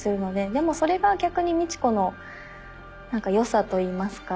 でもそれが逆に路子の良さといいますか。